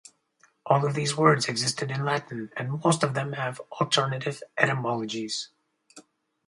All of these words existed in Latin and most of them have alternative etymologies.